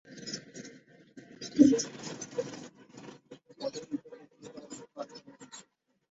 তোমাদের পিতার ইন্তিকালের সময় ঘনিয়ে এসেছে।